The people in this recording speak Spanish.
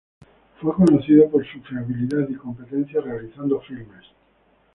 Fue conocido por su fiabilidad y competencia realizando filmes.